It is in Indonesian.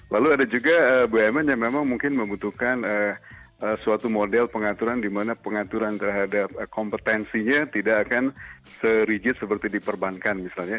lalu ada juga bumn yang memang mungkin membutuhkan suatu model pengaturan di mana pengaturan terhadap kompetensinya tidak akan serigit seperti di perbankan misalnya